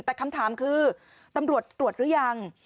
แต่คำถามคือตำรวจตรวจหรือยัง